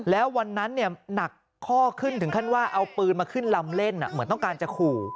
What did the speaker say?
แล้ววันนั้นหนักข้อขึ้นถึงขั้นว่าเอาปืนมาขึ้นลำเล่นเหมือนต้องการจะขู่